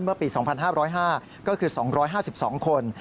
เมื่อปี๒๕๐๕ก็คือ๒๕๒คน